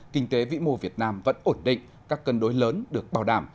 kinh tế vĩ mô việt nam vẫn ổn định các cân đối lớn được bảo đảm